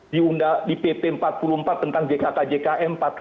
di pp empat puluh empat tentang jkkjkm